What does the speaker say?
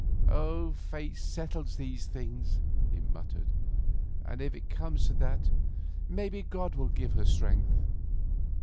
"Fate settles these things," he muttered, "and if it comes to that, maybe God will give her strength.